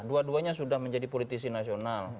dua duanya sudah menjadi politisi nasional